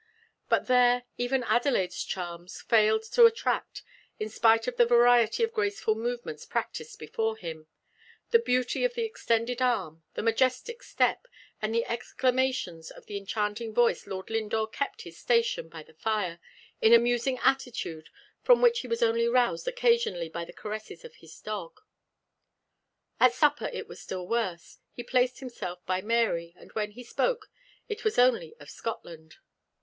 But there, even Adelaide's charms failed to attract, in spite of the variety of graceful movements practised before him the beauty of the extended arm, the majestic step, and the exclamations of the enchanting voice Lord Lindore kept his station by the fire, in a musing attitude, from which he was only roused occasionally by the caresses of his dog. At supper it was still worse. He placed himself by Mary, and when he spoke, it was only of Scotland.